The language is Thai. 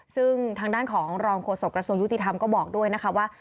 ซึ่งทางด้านของรองโฆษกระทรวงยุติธรรมก็บอกด้วยนะคะว่า